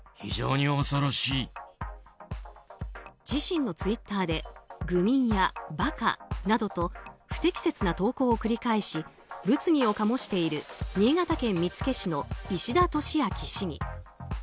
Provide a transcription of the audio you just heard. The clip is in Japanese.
自身のツイッターで「愚民」や「馬鹿」などと不適切な投稿を繰り返し物議を醸している新潟県見附市の石田敏明市議。